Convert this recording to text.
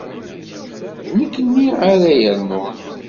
D nekkni ara yernun.